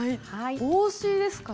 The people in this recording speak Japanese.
帽子ですかね？